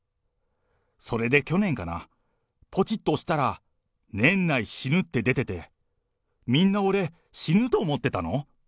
それで去年かな、ぽちっと押したら、年内死ぬって出てて、みんな俺、死ぬと思ってたの？